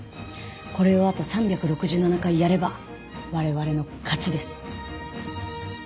これをあと３６７回やれば我々の勝ちです。